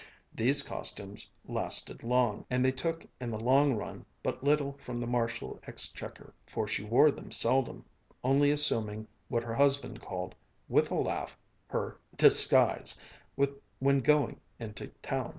These costumes lasted long, and they took in the long run but little from the Marshall exchequer: for she wore them seldom, only assuming what her husband called, with a laugh, her "disguise" when going into town.